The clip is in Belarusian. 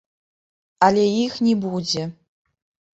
Але іх не будзе.